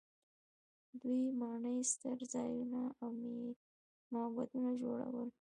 دوی ماڼۍ، ستر ځایونه او معبدونه جوړول.